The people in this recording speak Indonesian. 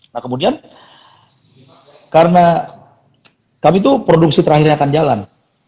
nah kemudian karena kami itu produksi terakhirnya akan jalan